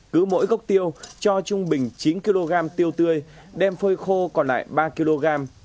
cứ mỗi gốc tiêu cho trung bình chín kg tiêu tươi đem phơi khô còn lại ba kg